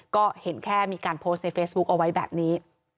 ก็เห็นแค่มีการโพสต์ในเฟซบุ๊คเอาไว้แบบนี้